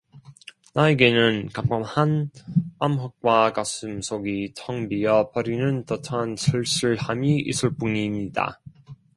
나에게는 깜깜한 암흑과 가슴속이 텅 비어 버리는 듯한 쓸쓸함이 있을 뿐입니다.